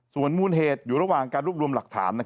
ส่วนมูลเหตุอยู่ระหว่างการรวบรวมหลักฐาน